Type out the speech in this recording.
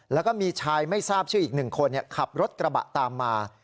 แล้วก็มีชายไม่ทราบชื่ออีก๑คนขับรถกระบะตามมา